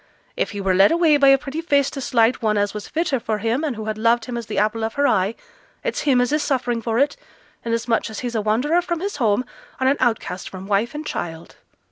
If he were led away by a pretty face to slight one as was fitter for him, and who had loved him as the apple of her eye, it's him as is suffering for it, inasmuch as he's a wanderer from his home, and an outcast from wife and child.'